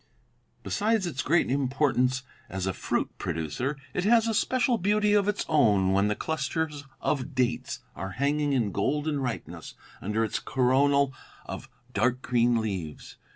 'Besides its great importance as a fruit producer, it has a special beauty of its own when the clusters of dates are hanging in golden ripeness under its coronal of dark green leaves.